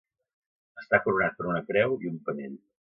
Està coronat per una creu i un penell.